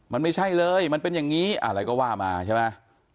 มันไม่ใช่เลยมันเป็นอย่างนี้อะไรก็ว่ามาใช่ไหม